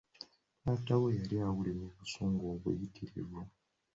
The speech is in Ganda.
Taata we yali awulira obusungu obuyitirivu.